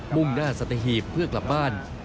่งหน้าสัตหีบเพื่อกลับบ้าน